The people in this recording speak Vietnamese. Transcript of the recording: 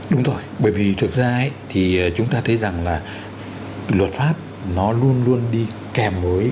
đúng rồi bởi vì thực ra thì chúng ta thấy rằng là luật pháp nó luôn luôn đi kèm với